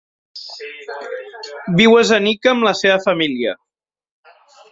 Viu a Zenica amb la seva família.